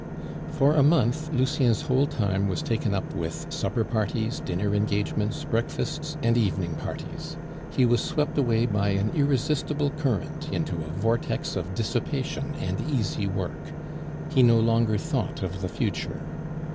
For a month Lucien's whole time was taken up with supper parties, dinner engagements, breakfasts, and evening parties; he was swept away by an irresistible current into a vortex of dissipation and easy work. He no longer thought of the future.